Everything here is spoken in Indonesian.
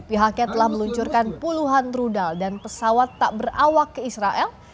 pihaknya telah meluncurkan puluhan rudal dan pesawat tak berawak ke israel